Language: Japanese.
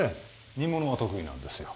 煮物は得意なんですよ